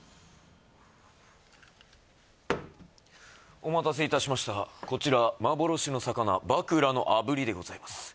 お待たせいたしましたこちら幻の魚バクラのあぶりでございます